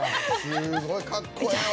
すごいかっこええわ。